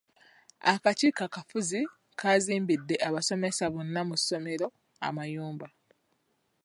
Akakiiko akafuzi kazimbidde abasomesa bonna mu somero amayumba.